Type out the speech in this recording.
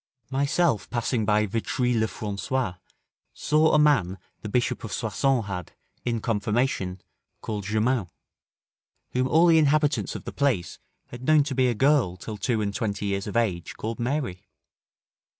Myself passing by Vitry le Francois, saw a man the Bishop of Soissons had, in confirmation, called Germain, whom all the inhabitants of the place had known to be a girl till two and twenty years of age, called Mary.